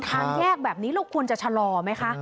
ทางแยกแบบนี้เราควรจะชะลอไหมคะ